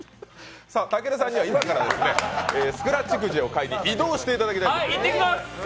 さあ、たけるさんには今からスクラッチくじを買いに移動していただきたいと思います。